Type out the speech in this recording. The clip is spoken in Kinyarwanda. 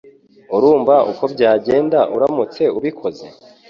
Urumva uko byagenda uramutse ubikoze?